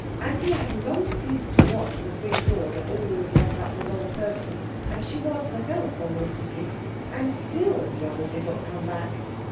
Anthea had long ceased to watch the swing door that always let out the wrong person, and she was herself almost asleep, and still the others did not come back.